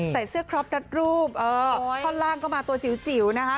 ใส่เสื้อครอบรัดรูปท่อนล่างก็มาตัวจิ๋วนะคะ